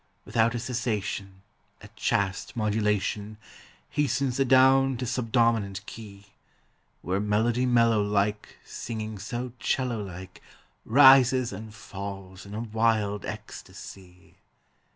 Without a cessation A chaste modulation Hastens adown to subdominant key, Where melody mellow like Singing so 'cello like Rises and falls in a wild ecstasy.